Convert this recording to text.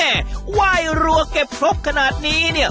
เฮ่เฮ่เว้ยรัวเก็บพรบขนาดนี้เนี่ย